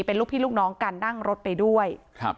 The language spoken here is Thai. เป็นลูกพี่ลูกน้องกันนั่งรถไปด้วยครับ